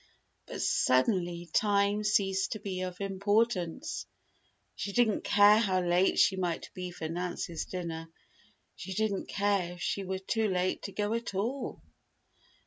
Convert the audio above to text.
But suddenly time ceased to be of importance. She didn't care how late she might be for Nancy's dinner. She didn't care if she were too late to go at all!